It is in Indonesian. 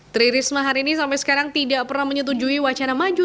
tri risma hari ini sampai sekarang tidak pernah menyetujui wacana maju